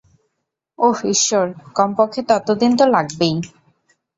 ওহ, ঈশ্বর, কমপক্ষে ততদিন তো লাগবেই।